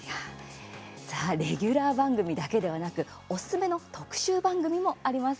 さあレギュラー番組だけではなくおすすめの特集番組もあります。